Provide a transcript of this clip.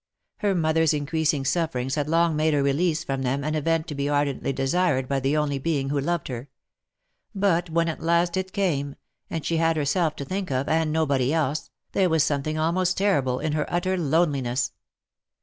Her mother's increasing sufferings had long made her release from them an event to be ardently desired by the only being who loved her ; but when at last it came, and she had herself to think of, and nobody else, there was something almost terrible in her utter loneliness.